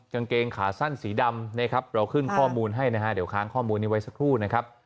กางเกงขาสั้นสีดำนะครับเราขึ้นข้อมูลให้นะฮะเดี๋ยวค้างข้อมูลนี้ไว้สักครู่นะครับ